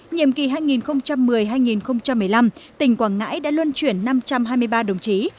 nhiệm kỳ hai nghìn một mươi hai nghìn một mươi năm tỉnh quảng ngãi đã luân chuyển năm trăm hai mươi ba đồng chí